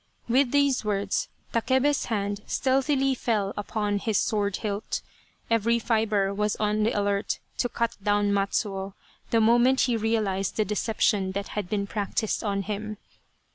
With these words, Takebe's hand stealthily fell upon his sword hilt. Every fibre was on the alert to cut down Matsuo the moment he realized the deception that had been practised on him.